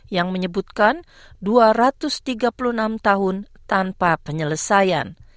yang menyebutkan dua ratus tiga puluh enam tahun tanpa penyelesaian